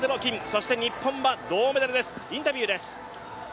そして日本は銅メダルです、インタビューです。